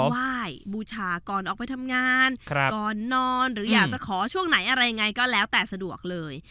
ไหว้บูชาก่อนออกไปทำงานก่อนนอนหรืออยากจะขอช่วงไหนอะไรยังไงก็แล้วแต่สะดวกเลย